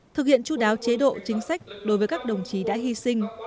thực hiện chú đáo chế độ chính sách đối với các đồng chí đã hy sinh